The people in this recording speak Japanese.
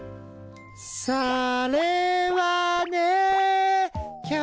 それはね。